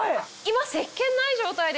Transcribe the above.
今せっけんない状態です。